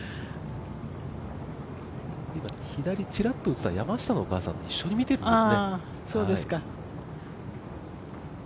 左、ちらっと映ったのは山下のお母さん、一緒に見ているんですね。